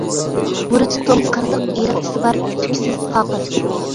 بۇرۇتى توم، قىرلىق ئېرىقچىسى بار، تۈكسىز، تاقىر.